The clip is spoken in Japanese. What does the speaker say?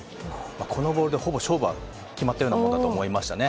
このボールで、ほぼ勝負は決まったようなもんだと思いましたね。